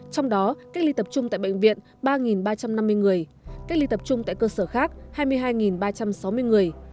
trong đó cách ly tập trung tại bệnh viện ba ba trăm năm mươi người cách ly tập trung tại cơ sở khác hai mươi hai ba trăm sáu mươi người